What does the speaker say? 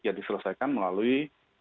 ya diselesaikan melalui